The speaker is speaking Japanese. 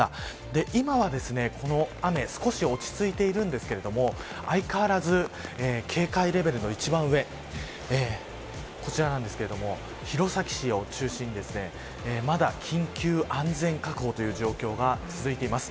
今は、この雨少し落ち着いているんですが相変わらず警戒レベルの一番上こちらなんですけども弘前市を中心にまだ、緊急安全確保という状況が続いています。